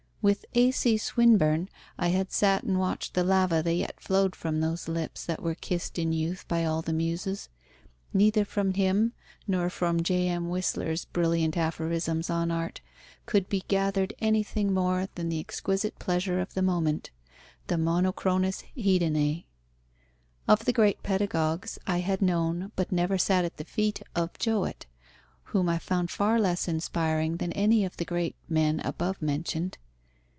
With A.C. Swinburne I had sat and watched the lava that yet flowed from those lips that were kissed in youth by all the Muses. Neither from him nor from J.M. Whistler's brilliant aphorisms on art could be gathered anything more than the exquisite pleasure of the moment: the monochronos haedonae. Of the great pedagogues, I had known, but never sat at the feet of Jowett, whom I found far less inspiring than any of the great men above mentioned.